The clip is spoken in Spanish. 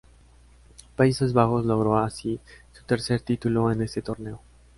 Países Bajos logró así su tercer título en este torneo.